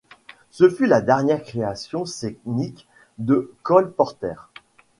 Ce fut la dernière création scénique de Cole Porter.